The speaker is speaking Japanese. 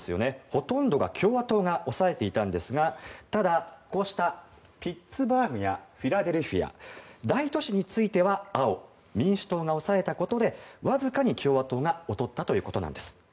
ほとんどが共和党が押さえていたんですがただ、ピッツバーグやフィラデルフィアなど大都市については青民主党が押さえたことでわずかに共和党が劣ったということなんです。